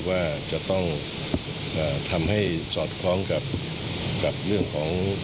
ว่าจะต้องทำให้สอดคล้องกับเรื่องของ